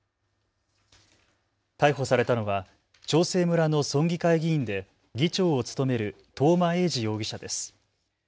逮捕されたのは長生村の村議会議員で議長を務める東間永次容疑者です。